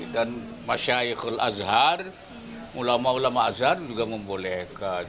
dan masyaihul azhar ulama ulama azhar juga membolehkan